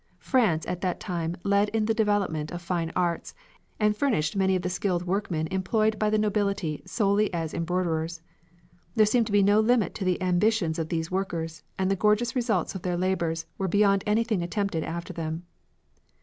France at that time led in the development of fine arts, and furnished many of the skilled workmen employed by the nobility solely as embroiderers. There seemed to be no limit to the ambitions of these workers, and the gorgeous results of their labours were beyond anything attempted after them.